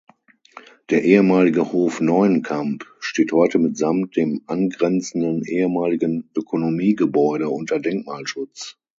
Der ehemalige Hof Neuenkamp steht heute mitsamt dem angrenzenden ehemaligen Ökonomiegebäude unter Denkmalschutz.